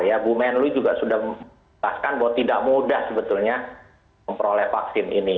ya bu menlu juga sudah menjelaskan bahwa tidak mudah sebetulnya memperoleh vaksin ini